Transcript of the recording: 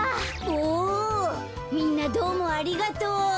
おみんなどうもありがとう。